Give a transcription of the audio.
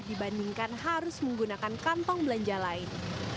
dibandingkan harus menggunakan kantong belanja lain